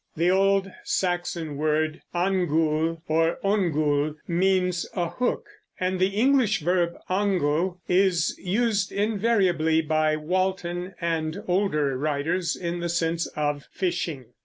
The old Saxon word angul or ongul means a hook, and the English verb angle is used invariably by Walton and older writers in the sense of fishing.